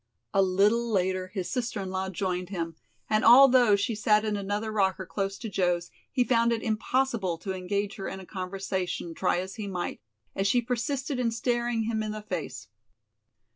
A little later his sister in law joined him, and although she sat in another rocker close to Joe's, he found it impossible to engage her in a conversation, try as he might, as she persisted in staring him in the face.